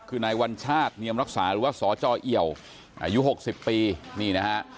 คือนายวัญชาติเนียมรักษาหรือว่าศจ้อยเอ๋วอายุ๖๐ปี